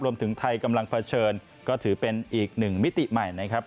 รวมถึงไทยกำลังเผชิญก็ถือเป็นอีกหนึ่งมิติใหม่นะครับ